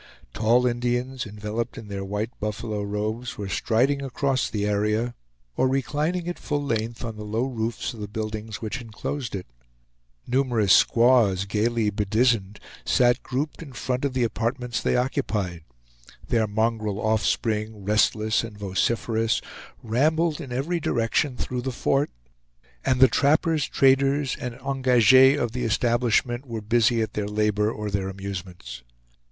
Tall Indians, enveloped in their white buffalo robes, were striding across the area or reclining at full length on the low roofs of the buildings which inclosed it. Numerous squaws, gayly bedizened, sat grouped in front of the apartments they occupied; their mongrel offspring, restless and vociferous, rambled in every direction through the fort; and the trappers, traders, and ENGAGES of the establishment were busy at their labor or their amusements.